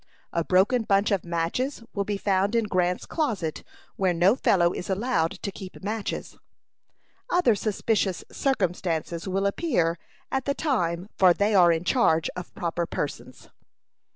A broken bunch of matches will be found in Grant's closet, where no fellow is allowed to keep matches. Other suspicious circumstances will appear at the time for they are in charge of proper persons."